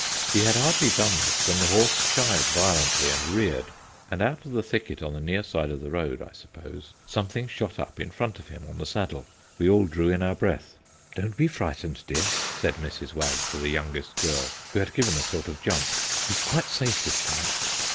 He had hardly done this when the horse shied violently and reared; and out of the thicket on the near side of the road (I suppose) something shot up in front of him on the saddle. We all drew in our breath. "Don't be frightened, dear," said Mrs. Wag to the youngest girl, who had given a sort of jump. "He's quite safe this time."